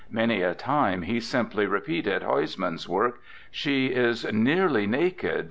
Many a time he simply re peated Huysman's words, "She is nearly naked.